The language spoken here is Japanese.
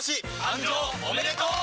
誕生おめでとう！